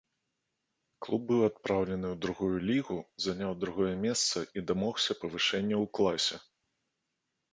Клуб быў адпраўлены ў другую лігу, заняў другое месца і дамогся павышэння ў класе.